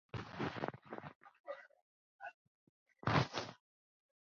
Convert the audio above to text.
绒毛野丁香为茜草科野丁香属下的一个变种。